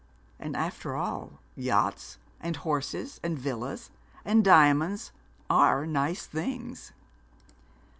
And, after all, yachts, and horses, and villas, and diamonds are nice things.'